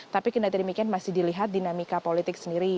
tapi kendati demikian masih dilihat dinamika politik sendiri